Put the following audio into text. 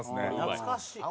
懐かしい。